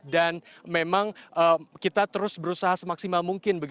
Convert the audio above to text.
dan memang kita terus berusaha semaksimal mungkin